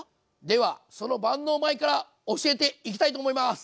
ではその万能米から教えていきたいと思います。